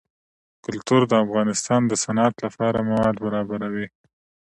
کلتور د افغانستان د صنعت لپاره مواد برابروي.